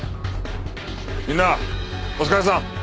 みんなお疲れさん。